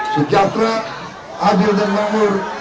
sejahtera adil dan mamur